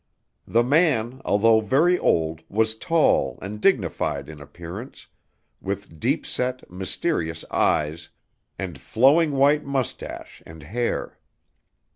The man, although very old, was tall and dignified in appearance, with deep set, mysterious eyes, and flowing white moustache and hair.